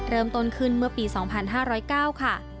เริ่มต้นขึ้นเมื่อปี๒๕๐๙ค่ะ